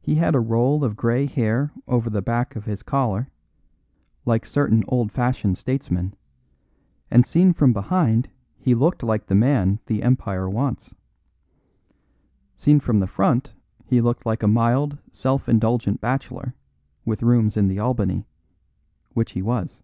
He had a roll of grey hair over the back of his collar, like certain old fashioned statesmen, and seen from behind he looked like the man the empire wants. Seen from the front he looked like a mild, self indulgent bachelor, with rooms in the Albany which he was.